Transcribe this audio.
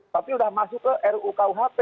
tapi sudah masuk ke ruu kuhp